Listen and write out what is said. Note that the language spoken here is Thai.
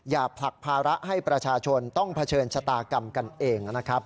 ผลักภาระให้ประชาชนต้องเผชิญชะตากรรมกันเองนะครับ